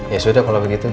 ya sudah kalau begitu